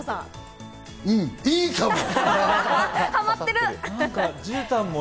いいかも！